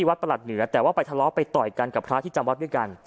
ประหลัดเหนือแต่ว่าไปทะเลาะไปต่อยกันกับพระที่จำวัดด้วยกัน